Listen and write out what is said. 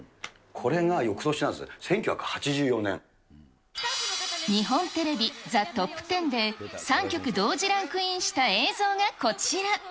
これが、よくとしなんですよ、日本テレビ、ザ・トップテンで、３曲同時ランクインした映像がこちら。